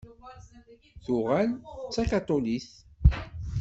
Tuɣal d takaṭulit.